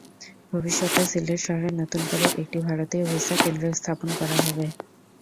ভবিষ্যতে সিলেট শহরে নতুন করে একটি ভারতীয় ভিসা কেন্দ্র স্থাপন করা হবে।